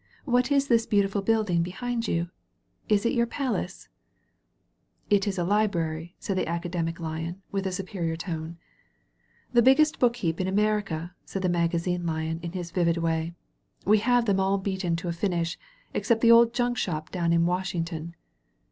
What is this beautiful building behind you ? Is it your Palace ?"It is a Library,*' said the Academic Lion, with a superior tone. "The biggest book heap in America," said the Magazine Lion in his vivid way. "We have them all beaten to a finish — except the old junk shop down in Washington."